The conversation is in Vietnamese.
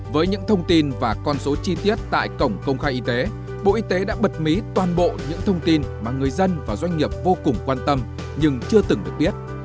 với những thông tin và con số chi tiết tại cổng công khai y tế bộ y tế đã bật mí toàn bộ những thông tin mà người dân và doanh nghiệp vô cùng quan tâm nhưng chưa từng được biết